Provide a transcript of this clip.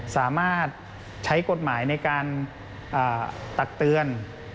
สามารถใช้กฎหมายในการตักเตือน